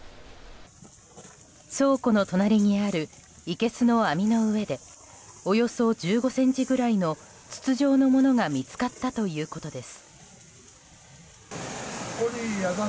倉庫の隣にあるいけすの網の上でおよそ１５ｃｍくらいの筒状のものが見つかったということです。